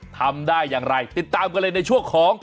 ทำได้อย่างไรติดตามกันเลยในช่วงของ